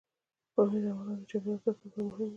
پامیر د افغانستان د چاپیریال ساتنې لپاره مهم دي.